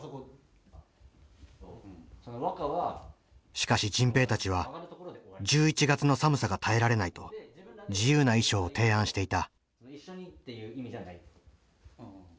しかし迅平たちは１１月の寒さが耐えられないと自由な衣装を提案していた。